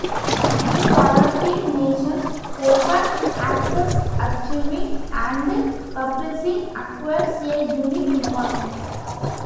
In developing nations, open access archiving and publishing acquires a unique importance.